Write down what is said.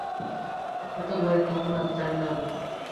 এত ভারী গহণা চাই না আমি।